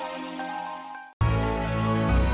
kita keine mau biasa